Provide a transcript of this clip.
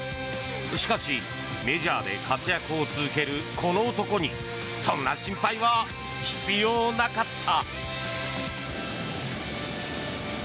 しかし、メジャーで活躍を続けるこの男にそんな心配は必要なかった。